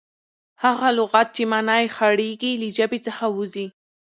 هغه لغت، چي مانا ئې خړېږي، له ژبي څخه وځي.